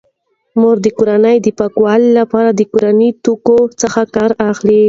مور د کورنۍ د پاکوالي لپاره د کورني توکو څخه کار اخلي.